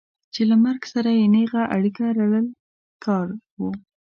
چې له مرګ سره یې نېغه اړیکه لرل کار و.